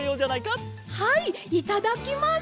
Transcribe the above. はいいただきます！